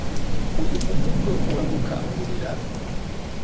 Uyu muvugo uragukangurira: